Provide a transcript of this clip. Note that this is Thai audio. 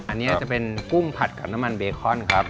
อันนี้จะเป็นกุ้งผัดกับน้ำมันเบคอนครับ